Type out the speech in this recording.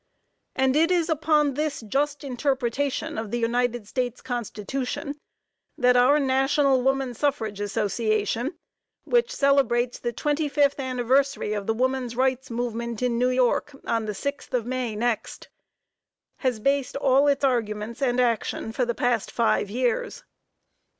And it is upon this just interpretation of the United States Constitution that our National Woman Suffrage Association which celebrates the twenty fifth anniversary of the woman's rights movement in New York on the 6th of May next, has based all its arguments and action the past five years.